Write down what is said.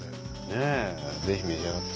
ねぇぜひ召し上がって。